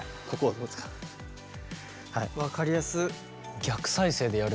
分かりやすっ。